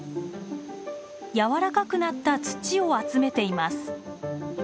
やわらかくなった土を集めています。